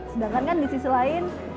sedangkan kan di sisi lain